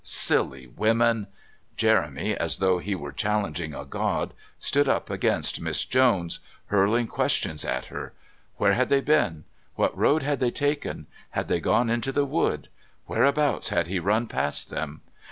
Silly women! Jeremy, as though he were challenging a god, stood up against Miss Jones, hurling questions at her. Where had they been? What road had they taken? Had they gone into the wood? Whereabouts had he run past them?